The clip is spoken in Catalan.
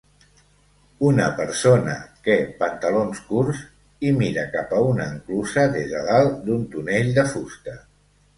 Una persona que pantalons curts i mira cap a una enclusa des de dalt d'un tonell de fusta.